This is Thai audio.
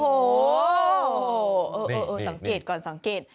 โอ้โหสังเกตก่อนสังเกต